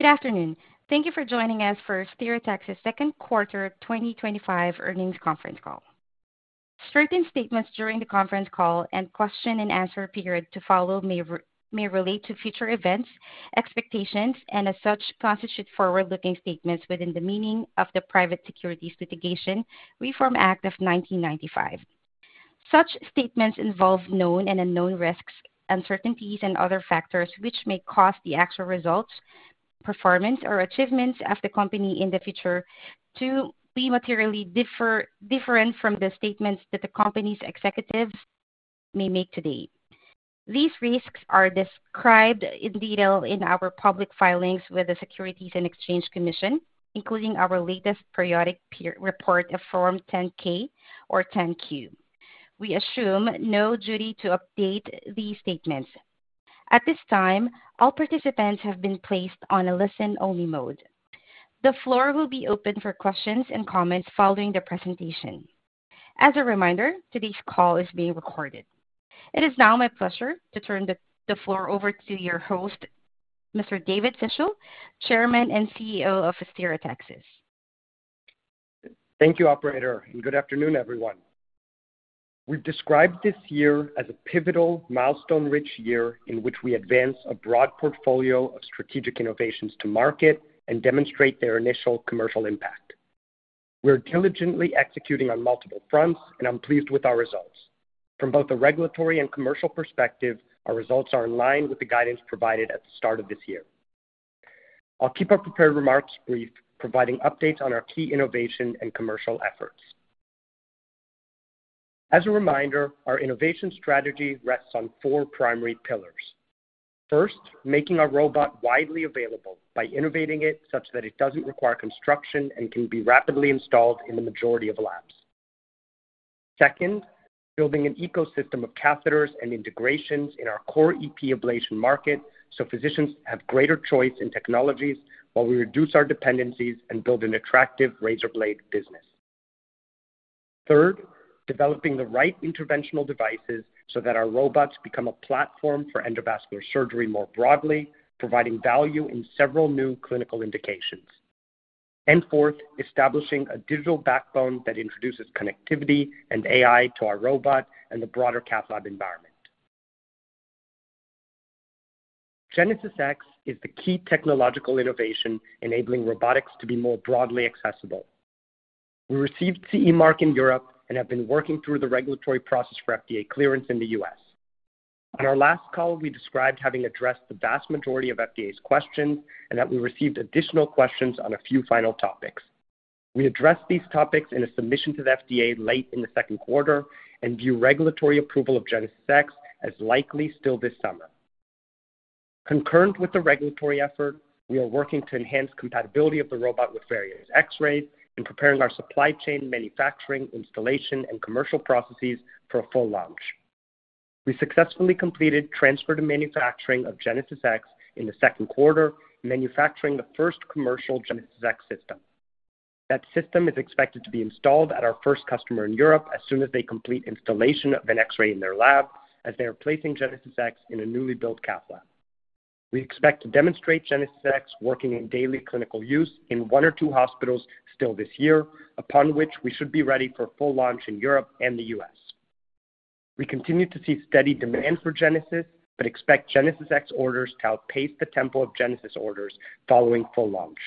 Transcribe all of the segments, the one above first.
Good afternoon. Thank you for joining us for Stereotaxis' Second Quarter 2025 Earnings Conference Call. Strengthened statements during the conference call and question and answer period to follow may relate to future events, expectations, and as such constitute forward-looking statements within the meaning of the Private Securities Litigation Reform Act of 1995. Such statements involve known and unknown risks, uncertainties, and other factors which may cause the actual results, performance, or achievements of the company in the future to be materially different from the statements that the company's executives may make today. These risks are described in detail in our public filings with the Securities and Exchange Commission, including our latest periodic report of Form 10-K or 10-Q. We assume no duty to update these statements. At this time, all participants have been placed on a listen-only mode. The floor will be open for questions and comments following the presentation. As a reminder, today's call is being recorded. It is now my pleasure to turn the floor over to your host, Mr. David Fischel, Chairman and CEO of Stereotaxis. Thank you, operator, and good afternoon, everyone. We've described this year as a pivotal, milestone-rich year in which we advance a broad portfolio of strategic innovations to market and demonstrate their initial commercial impact. We're diligently executing on multiple fronts, and I'm pleased with our results. From both a regulatory and commercial perspective, our results are in line with the guidance provided at the start of this year. I'll keep our prepared remarks brief, providing updates on our key innovation and commercial efforts. As a reminder, our innovation strategy rests on four primary pillars. First, making our robot widely available by innovating it such that it doesn't require construction and can be rapidly installed in the majority of labs. Second, building an ecosystem of catheters and integrations in our core EP ablation market so physicians have greater choice in technologies while we reduce our dependencies and build an attractive razor blade business. Third, developing the right interventional devices so that our robots become a platform for endovascular surgery more broadly, providing value in several new clinical indications. Fourth, establishing a digital backbone that introduces connectivity and AI to our robot and the broader cath lab environment. Genesis X is the key technological innovation enabling robotics to be more broadly accessible. We received CE Mark in Europe and have been working through the regulatory process for FDA clearance in the U.S. On our last call, we described having addressed the vast majority of FDA's questions and that we received additional questions on a few final topics. We addressed these topics in a submission to the FDA late in the second quarter and view regulatory approval of Genesis X as likely still this summer. Concurrent with the regulatory effort, we are working to enhance compatibility of the robot with various X-rays and preparing our supply chain, manufacturing, installation, and commercial processes for a full launch. We successfully completed transfer to manufacturing of Genesis X in the second quarter, manufacturing the first commercial Genesis X system. That system is expected to be installed at our first customer in Europe as soon as they complete installation of an X-ray in their lab as they are placing Genesis X in a newly built cath lab. We expect to demonstrate Genesis X working in daily clinical use in one or two hospitals still this year, upon which we should be ready for full launch in Europe and the U.S. We continue to see steady demand for Genesis, but expect Genesis X orders to outpace the tempo of Genesis orders following full launch.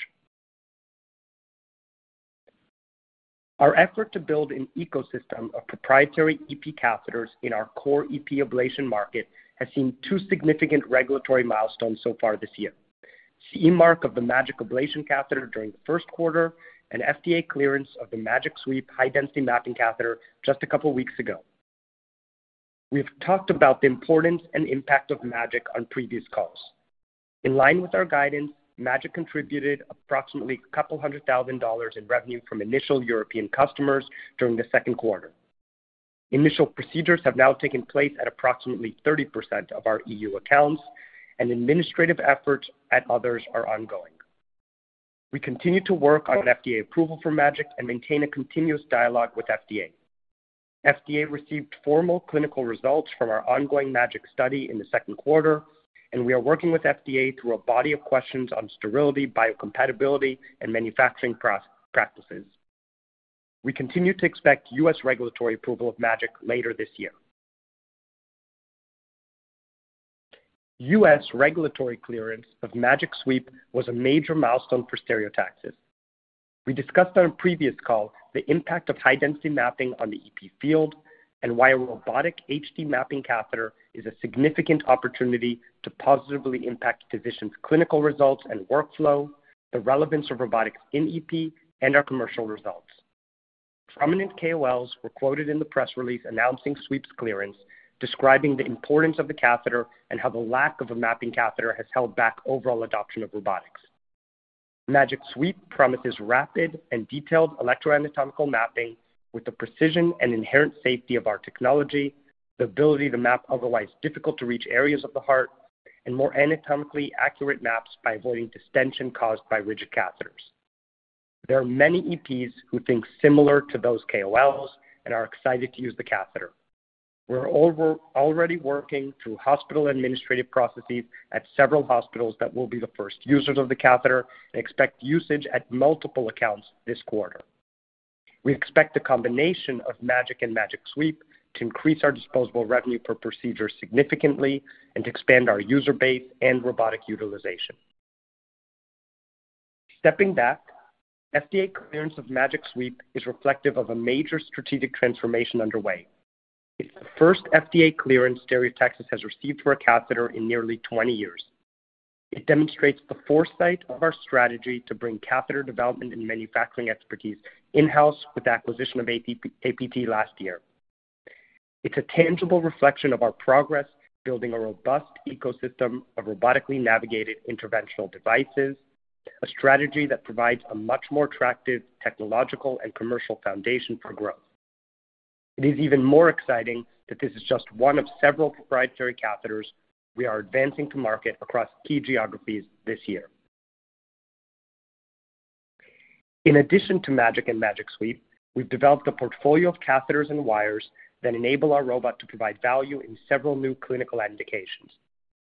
Our effort to build an ecosystem of proprietary EP catheters in our core EP ablation market has seen two significant regulatory milestones so far this year: CE Mark of the MAGIC ablation catheter during the first quarter and FDA clearance of the MAGIC Sweep high-density mapping catheter just a couple of weeks ago. We've talked about the importance and impact of MAGIC on previous calls. In line with our guidance, MAGIC contributed approximately a couple hundred thousand dollars in revenue from initial European customers during the second quarter. Initial procedures have now taken place at approximately 30% of our EU accounts, and administrative efforts at others are ongoing. We continue to work on FDA approval for MAGIC and maintain a continuous dialogue with FDA. FDA received formal clinical results from our ongoing MAGIC study in the second quarter, and we are working with FDA through a body of questions on sterility, biocompatibility, and manufacturing practices. We continue to expect U.S. regulatory approval of MAGIC later this year. U.S. regulatory clearance of MAGIC Sweep was a major milestone for Stereotaxis. We discussed on a previous call the impact of high-density mapping on the EP field and why a robotic HD mapping catheter is a significant opportunity to positively impact physicians' clinical results and workflow, the relevance of robotics in EP, and our commercial results. Prominent KOLs were quoted in the press release announcing Sweep's clearance, describing the importance of the catheter and how the lack of a mapping catheter has held back overall adoption of robotics. MAGIC Sweep promises rapid and detailed electroanatomical mapping with the precision and inherent safety of our technology, the ability to map otherwise difficult-to-reach areas of the heart, and more anatomically accurate maps by avoiding distension caused by rigid catheters. There are many EPs who think similar to those KOLs and are excited to use the catheter. We're already working through hospital administrative processes at several hospitals that will be the first users of the catheter and expect usage at multiple accounts this quarter. We expect the combination of MAGIC and MAGIC Sweep to increase our disposable revenue per procedure significantly and to expand our user base and robotic utilization. Stepping back, FDA clearance of MAGIC Sweep is reflective of a major strategic transformation underway. It's the first FDA clearance Stereotaxis has received for a catheter in nearly 20 years. It demonstrates the foresight of our strategy to bring catheter development and manufacturing expertise in-house with the acquisition of APT last year. It's a tangible reflection of our progress building a robust ecosystem of robotically navigated interventional devices, a strategy that provides a much more attractive technological and commercial foundation for growth. It is even more exciting that this is just one of several proprietary catheters we are advancing to market across key geographies this year. In addition to MAGIC and MAGIC Sweep, we've developed a portfolio of catheters and wires that enable our robot to provide value in several new clinical indications.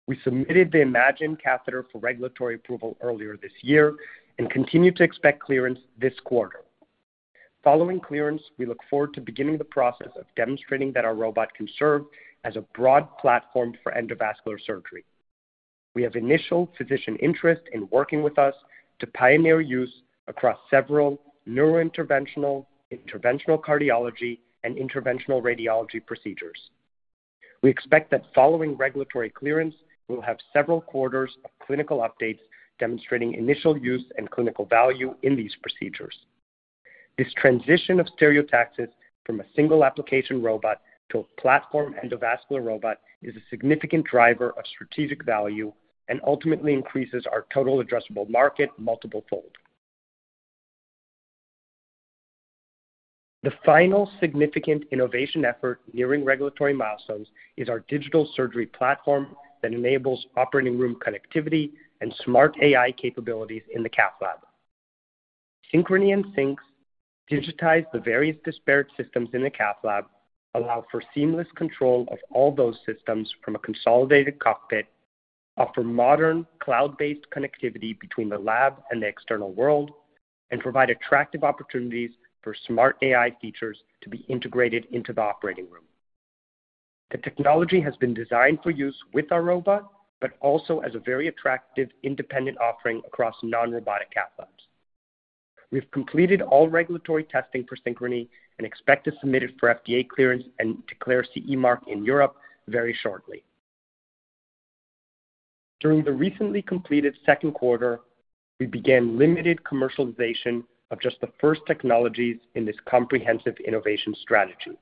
We submitted the Imagine catheter for regulatory approval earlier this year and continue to expect clearance this quarter. Following clearance, we look forward to beginning the process of demonstrating that our robot can serve as a broad platform for endovascular surgery. We have initial physician interest in working with us to pioneer use across several neurointerventional, interventional cardiology, and interventional radiology procedures. We expect that following regulatory clearance, we'll have several quarters of clinical updates demonstrating initial use and clinical value in these procedures. This transition of Stereotaxis from a single application robot to a platform endovascular robot is a significant driver of strategic value and ultimately increases our total addressable market multiple fold. The final significant innovation effort nearing regulatory milestones is our digital surgery platform that enables operating room connectivity and smart AI capabilities in the cath lab. Synchrony and Sync digitize the various disparate systems in the cath lab, allow for seamless control of all those systems from a consolidated cockpit, offer modern cloud-based connectivity between the lab and the external world, and provide attractive opportunities for smart AI features to be integrated into the operating room. The technology has been designed for use with our robot, but also as a very attractive independent offering across non-robotic cath labs. We've completed all regulatory testing for Synchrony and expect to submit it for FDA clearance and declare CE Mark in Europe very shortly. During the recently completed second quarter, we began limited commercialization of just the first technologies in this comprehensive innovation strategy.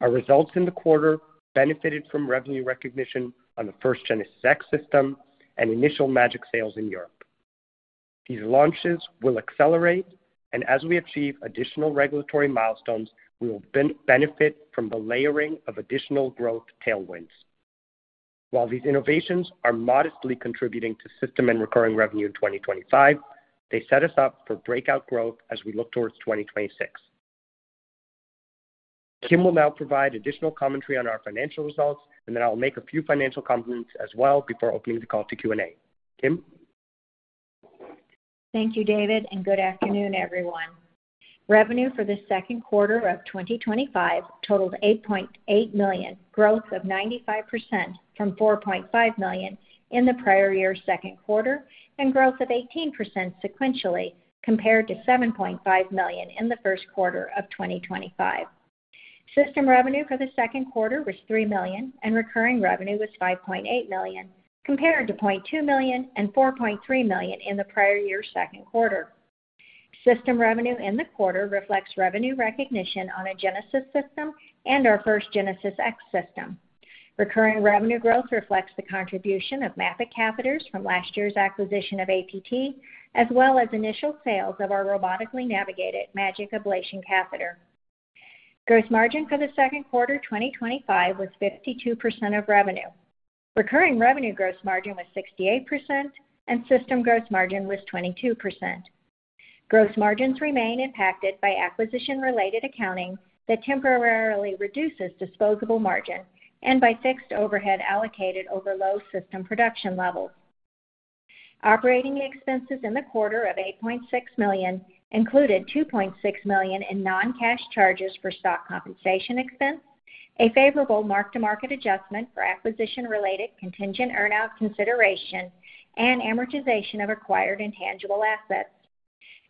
Our results in the quarter benefited from revenue recognition on the first Genesis X system and initial MAGIC sales in Europe. These launches will accelerate, and as we achieve additional regulatory milestones, we will benefit from the layering of additional growth tailwinds. While these innovations are modestly contributing to system and recurring revenue in 2025, they set us up for breakout growth as we look towards 2026. Kim will now provide additional commentary on our financial results, and then I'll make a few financial comments as well before opening the call to Q&A. Kim? Thank you, David, and good afternoon, everyone. Revenue for the second quarter of 2025 totaled $8.8 million, growth of 95% from $4.5 million in the prior year's second quarter, and growth of 18% sequentially compared to $7.5 million in the first quarter of 2025. System revenue for the second quarter was $3 million, and recurring revenue was $5.8 million compared to $0.2 million and $4.3 million in the prior year's second quarter. System revenue in the quarter reflects revenue recognition on a Genesis system and our first Genesis X system. Recurring revenue growth reflects the contribution of MAPiT catheters from last year's acquisition of APT, as well as initial sales of our robotically navigated MAGIC ablation catheter. Gross margin for the second quarter 2025 was 52% of revenue. Recurring revenue gross margin was 68%, and system gross margin was 22%. Gross margins remain impacted by acquisition-related accounting that temporarily reduces disposable margin and by fixed overhead allocated over low system production levels. Operating expenses in the quarter of $8.6 million included $2.6 million in non-cash charges for stock compensation expense, a favorable mark-to-market adjustment for acquisition-related contingent earnout consideration, and amortization of acquired intangible assets.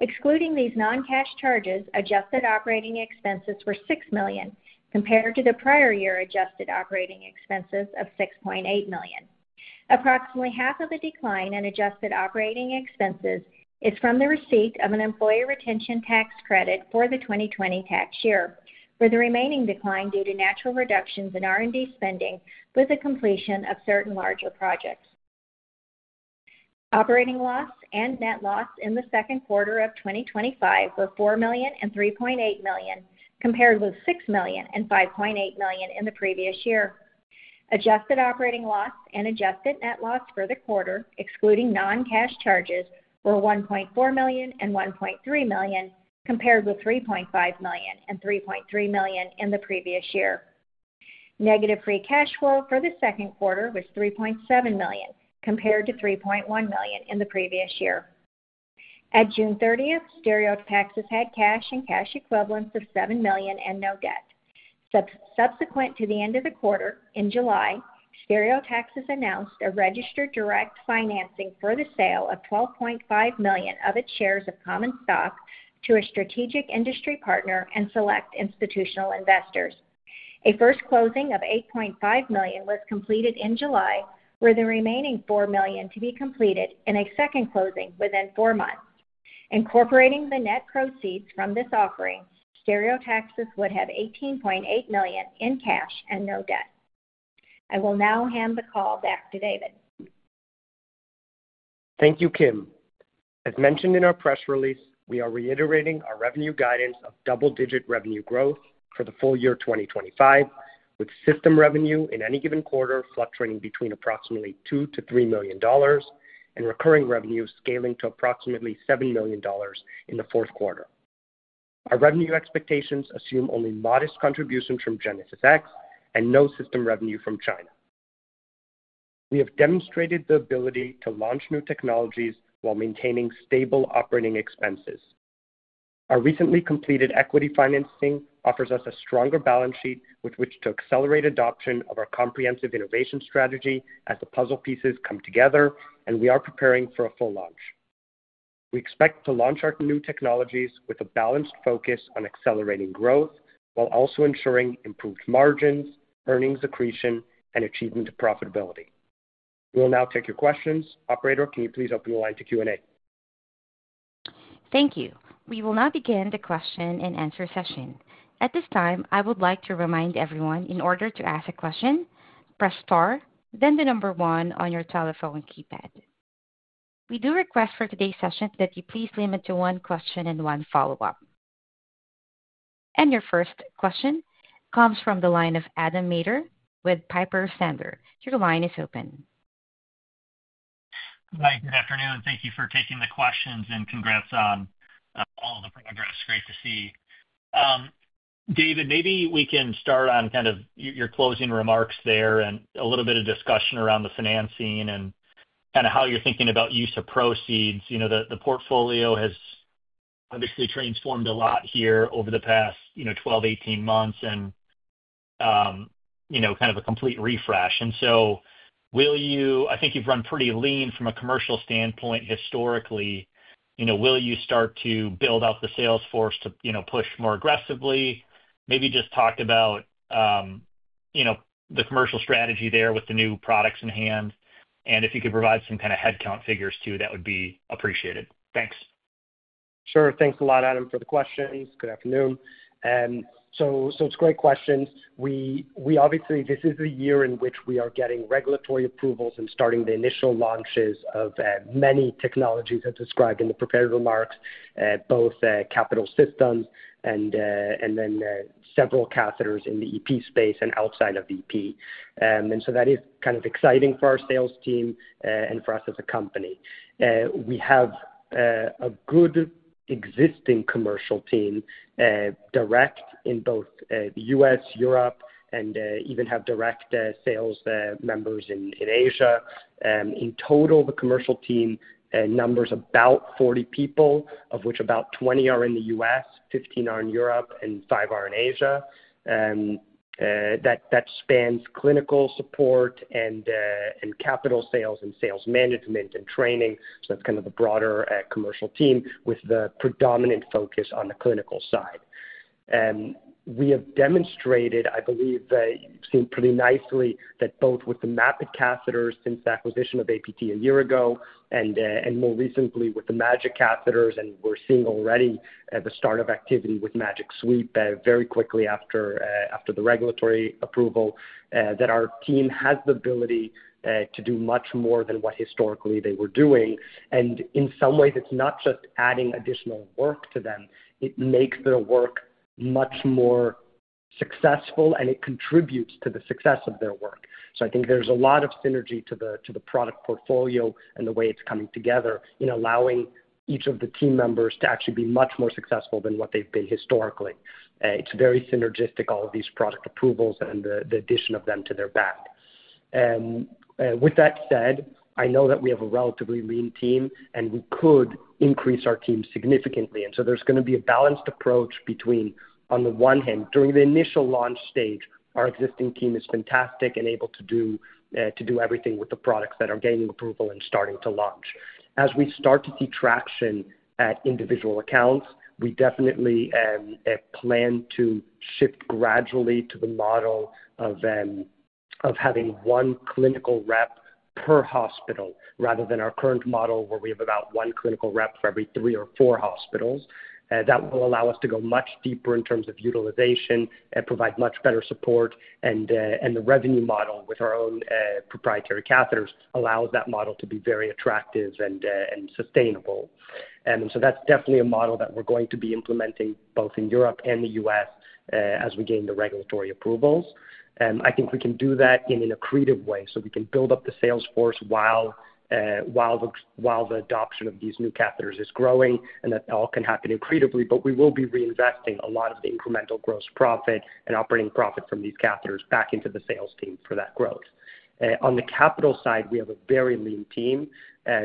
Excluding these non-cash charges, adjusted operating expenses were $6 million compared to the prior year adjusted operating expenses of $6.8 million. Approximately half of the decline in adjusted operating expenses is from the receipt of an employee retention tax credit for the 2020 tax year, with the remaining decline due to natural reductions in R&D spending with the completion of certain larger projects. Operating loss and net loss in the second quarter of 2025 were $4 million and $3.8 million, compared with $6 million and $5.8 million in the previous year. Adjusted operating loss and adjusted net loss for the quarter, excluding non-cash charges, were $1.4 million and $1.3 million, compared with $3.5 million and $3.3 million in the previous year. Negative free cash flow for the second quarter was $3.7 million, compared to $3.1 million in the previous year. At June 30, Stereotaxis had cash and cash equivalents of $7 million and no debt. Subsequent to the end of the quarter, in July, Stereotaxis announced a registered direct offering for the sale of $12.5 million of its shares of common stock to a strategic industry partner and select institutional investors. A first closing of $8.5 million was completed in July, with the remaining $4 million to be completed in a second closing within four months. Incorporating the net proceeds from this offering, Stereotaxis would have $18.8 million in cash and no debt. I will now hand the call back to David. Thank you, Kim. As mentioned in our press release, we are reiterating our revenue guidance of double-digit revenue growth for the full year 2025, with system revenue in any given quarter fluctuating between approximately $2 million-$3 million and recurring revenue scaling to approximately $7 million in the fourth quarter. Our revenue expectations assume only modest contributions from Genesis X and no system revenue from China. We have demonstrated the ability to launch new technologies while maintaining stable operating expenses. Our recently completed equity financing offers us a stronger balance sheet with which to accelerate adoption of our comprehensive innovation strategy as the puzzle pieces come together, and we are preparing for a full launch. We expect to launch our new technologies with a balanced focus on accelerating growth while also ensuring improved margins, earnings accretion, and achievement of profitability. We will now take your questions. Operator, can you please open the line to Q&A? Thank you. We will now begin the question and answer session. At this time, I would like to remind everyone, in order to ask a question, press star, then the number one on your telephone keypad. We do request for today's session that you please limit to one question and one follow-up. Your first question comes from the line of Adam Maeder with Piper Sandler. Your line is open. Hi, good afternoon. Thank you for taking the questions and congrats on all the progress. Great to see. David, maybe we can start on kind of your closing remarks there and a little bit of discussion around the financing and kind of how you're thinking about use of proceeds. The portfolio has obviously transformed a lot here over the past 12-18 months and kind of a complete refresh. Will you, I think you've run pretty lean from a commercial standpoint historically. Will you start to build up the sales force to push more aggressively? Maybe just talk about the commercial strategy there with the new products in hand. If you could provide some kind of headcount figures too, that would be appreciated. Thanks. Sure. Thanks a lot, Adam, for the questions. Good afternoon. It's great questions. We obviously, this is the year in which we are getting regulatory approvals and starting the initial launches of many technologies as described in the prepared remarks, both capital systems and then several catheters in the EP space and outside of the EP. That is kind of exciting for our sales team and for us as a company. We have a good existing commercial team direct in both the U.S., Europe, and even have direct sales members in Asia. In total, the commercial team numbers about 40 people, of which about 20 are in the U.S., 15 are in Europe, and five are in Asia. That spans clinical support and capital sales and sales management and training. That's kind of the broader commercial team with the predominant focus on the clinical side. We have demonstrated, I believe, that seemed pretty nicely that both with the Map-iT catheters since the acquisition of APT a year ago and more recently with the MAGIC catheters, and we're seeing already the start of activity with MAGIC Sweep very quickly after the regulatory approval, that our team has the ability to do much more than what historically they were doing. In some ways, it's not just adding additional work to them. It makes their work much more successful, and it contributes to the success of their work. I think there's a lot of synergy to the product portfolio and the way it's coming together in allowing each of the team members to actually be much more successful than what they've been historically. It's very synergistic, all of these product approvals and the addition of them to their bag. With that said, I know that we have a relatively lean team, and we could increase our team significantly. There's going to be a balanced approach between, on the one hand, during the initial launch stage, our existing team is fantastic and able to do everything with the products that are gaining approval and starting to launch. As we start to see traction at individual accounts, we definitely plan to shift gradually to the model of having one clinical rep per hospital rather than our current model where we have about one clinical rep for every three or four hospitals. That will allow us to go much deeper in terms of utilization and provide much better support. The revenue model with our own proprietary catheters allows that model to be very attractive and sustainable. That's definitely a model that we're going to be implementing both in Europe and the U.S. as we gain the regulatory approvals. I think we can do that in an accretive way so we can build up the sales force while the adoption of these new catheters is growing, and that all can happen accretively. We will be reinvesting a lot of incremental gross profit and operating profit from these catheters back into the sales team for that growth. On the capital side, we have a very lean team.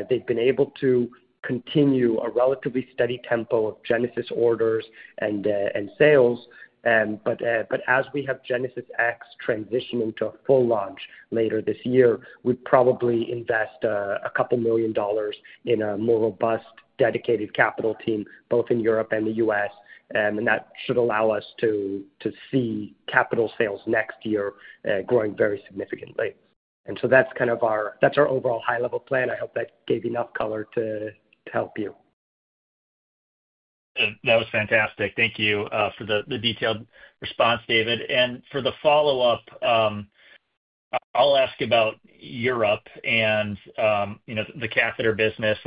They've been able to continue a relatively steady tempo of Genesis orders and sales. As we have Genesis X transitioning to a full launch later this year, we'd probably invest a couple million dollars in a more robust dedicated capital team both in Europe and the U.S. That should allow us to see capital sales next year growing very significantly. That's kind of our overall high-level plan. I hope that gave enough color to help you. That was fantastic. Thank you for the detailed response, David. For the follow-up, I'll ask about Europe and the catheter business.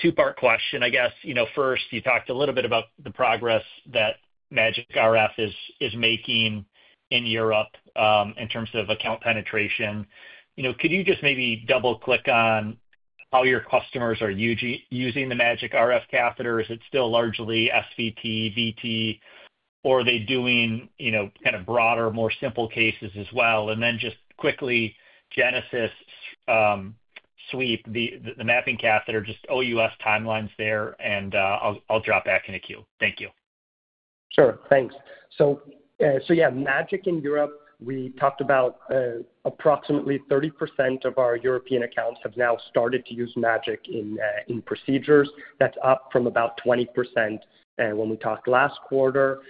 Two-part question, I guess. You know, first, you talked a little bit about the progress that MAGIC ablation catheter is making in Europe in terms of account penetration. Could you just maybe double-click on how your customers are using the MAGIC ablation catheter? Is it still largely SVT, VT, or are they doing, you know, kind of broader, more simple cases as well? Just quickly, Genesis Sweep the mapping catheter, just OUS timelines there, and I'll drop back into queue. Thank you. Sure. Thanks. MAGIC in Europe, we talked about approximately 30% of our European accounts have now started to use MAGIC in procedures. That's up from about 20% when we talked last quarter.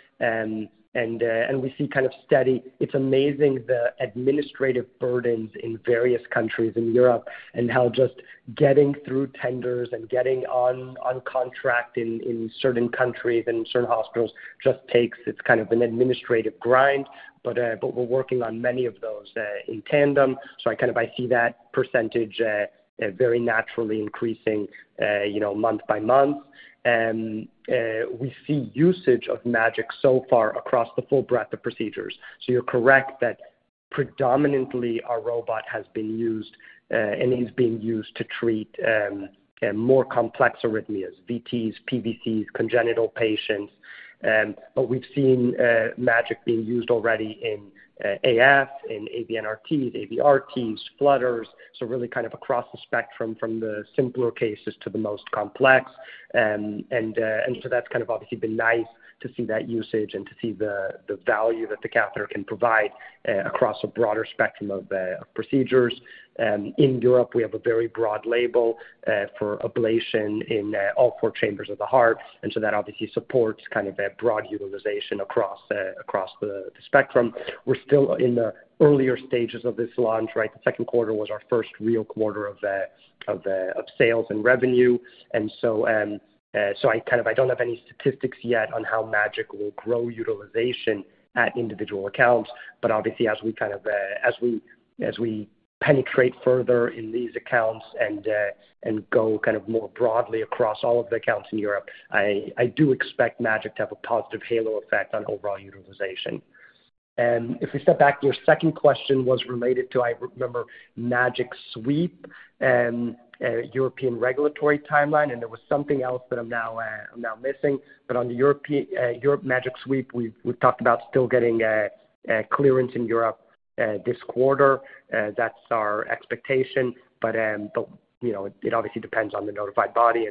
We see kind of steady, it's amazing the administrative burdens in various countries in Europe and how just getting through tenders and getting on contract in certain countries and certain hospitals just takes, it's kind of an administrative grind. We are working on many of those in tandem. I kind of see that percentage very naturally increasing month-by-month. We see usage of MAGIC so far across the full breadth of procedures. You're correct that predominantly our robot has been used and is being used to treat more complex arrhythmias, VTs, PVCs, congenital patients. We've seen MAGIC being used already in AF, in AVNRTs, AVRTs, flutters. Really kind of across the spectrum from the simpler cases to the most complex. That's obviously been nice to see that usage and to see the value that the catheter can provide across a broader spectrum of procedures. In Europe, we have a very broad label for ablation in all four chambers of the heart. That obviously supports kind of a broad utilization across the spectrum. We're still in the earlier stages of this launch, right? The second quarter was our first real quarter of sales and revenue. I don't have any statistics yet on how MAGIC will grow utilization at individual accounts. Obviously, as we penetrate further in these accounts and go more broadly across all of the accounts in Europe, I do expect MAGIC to have a positive halo effect on overall utilization. If we step back, your second question was related to, I remember, MAGIC Sweep and European regulatory timeline. There was something else that I'm now missing. On the Europe MAGIC Sweep, we talked about still getting a clearance in Europe this quarter. That's our expectation. It obviously depends on the notified body.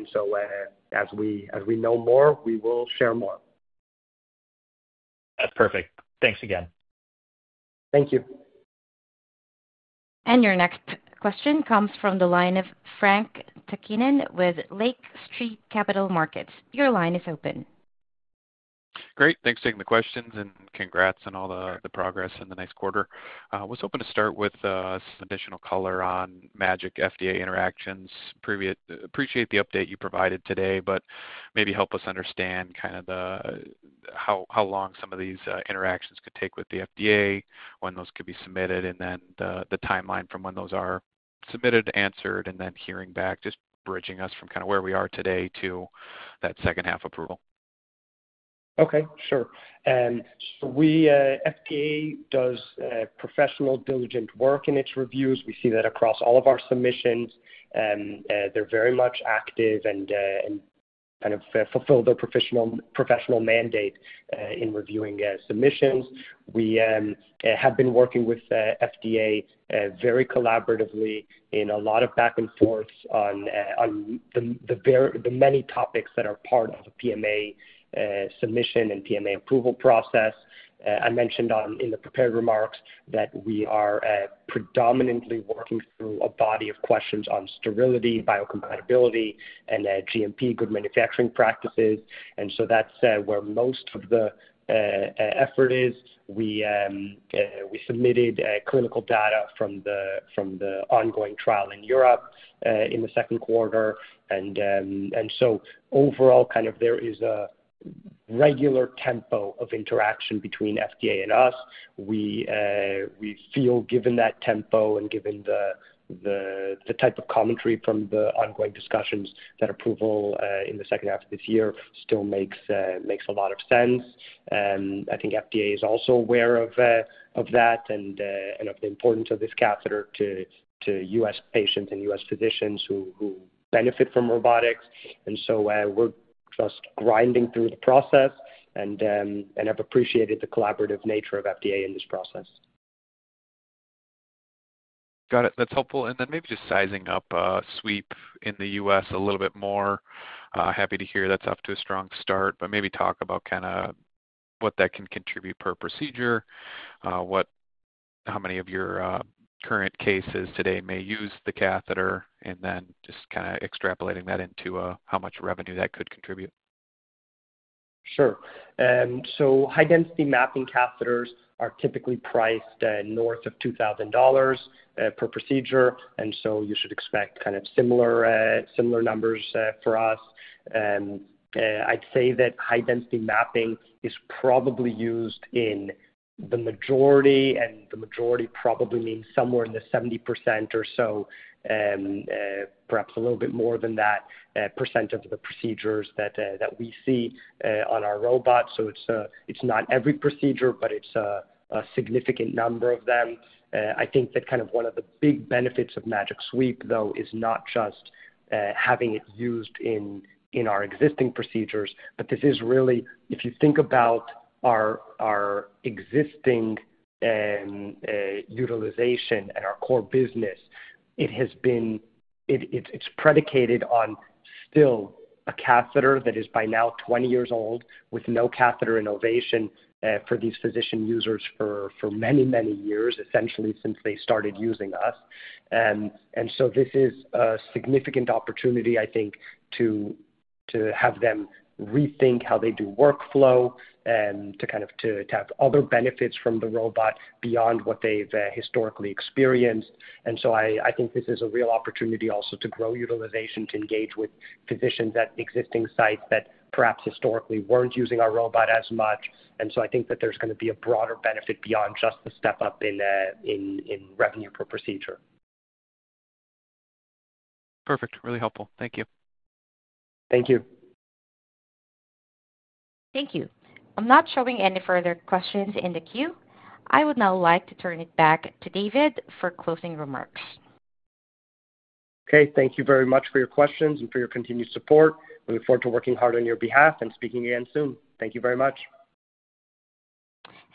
As we know more, we will share more. That's perfect. Thanks again. Thank you. Your next question comes from the line of Frank Takkinen with Lake Street Capital Markets. Your line is open. Great. Thanks for taking the questions and congrats on all the progress in the next quarter. I was hoping to start with some additional color on MAGIC FDA interactions. Appreciate the update you provided today, but maybe help us understand kind of how long some of these interactions could take with the FDA, when those could be submitted, and then the timeline from when those are submitted, answered, and then hearing back, just bridging us from kind of where we are today to that second half approval. Okay. Sure. FDA does professional diligent work in its reviews. We see that across all of our submissions. They're very much active and kind of fulfill their professional mandate in reviewing submissions. We have been working with FDA very collaboratively in a lot of back and forth on the many topics that are part of the PMA submission and PMA approval process. I mentioned in the prepared remarks that we are predominantly working through a body of questions on sterility, biocompatibility, and GMP, good manufacturing practices. That's where most of the effort is. We submitted clinical data from the ongoing trial in Europe in the second quarter. Overall, there is a regular tempo of interaction between FDA and us. We feel given that tempo and given the type of commentary from the ongoing discussions that approval in the second half of this year still makes a lot of sense. I think FDA is also aware of that and of the importance of this catheter to U.S. patients and U.S. physicians who benefit from robotics. We're just grinding through the process and have appreciated the collaborative nature of FDA in this process. Got it. That's helpful. Maybe just sizing up Sweep in the U.S. a little bit more. Happy to hear that's off to a strong start, but maybe talk about kind of what that can contribute per procedure, how many of your current cases today may use the catheter, and then just kind of extrapolating that into how much revenue that could contribute. Sure. High-density mapping catheters are typically priced north of $2,000 per procedure, and you should expect kind of similar numbers for us. I'd say that high-density mapping is probably used in the majority, and the majority probably means somewhere in the 70% or so, perhaps a little bit more than that percentage of the procedures that we see on our robot. It's not every procedure, but it's a significant number of them. I think that kind of one of the big benefits of MAGIC Sweep, though, is not just having it used in our existing procedures. This is really, if you think about our existing utilization and our core business, it has been predicated on still a catheter that is by now 20 years old with no catheter innovation for these physician users for many, many years, essentially since they started using us. This is a significant opportunity, I think, to have them rethink how they do workflow and to kind of have other benefits from the robot beyond what they've historically experienced. I think this is a real opportunity also to grow utilization, to engage with physicians at existing sites that perhaps historically weren't using our robot as much. I think that there's going to be a broader benefit beyond just the step up in revenue per procedure. Perfect. Really helpful. Thank you. Thank you. Thank you. I'm not showing any further questions in the queue. I would now like to turn it back to David Fischel for closing remarks. Okay. Thank you very much for your questions and for your continued support. We look forward to working hard on your behalf and speaking again soon. Thank you very much.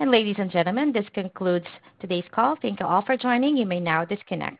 Ladies and gentlemen, this concludes today's call. Thank you all for joining. You may now disconnect.